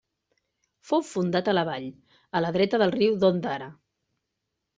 Fou fundat a la vall, a la dreta del riu d'Ondara.